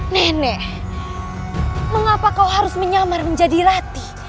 nenek mengapa kau harus menyamar menjadi rati